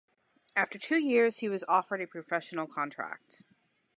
After two years, he was offered a professional contract.